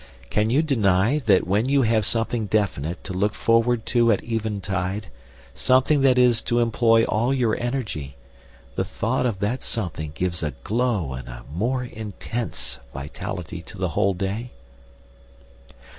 Can you deny that when you have something definite to look forward to at eventide, something that is to employ all your energy the thought of that something gives a glow and a more intense vitality to the whole day?